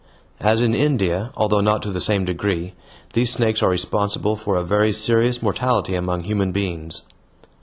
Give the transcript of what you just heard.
As in India, although not to the same degree, these snakes are responsible for a very serious mortality among human beings.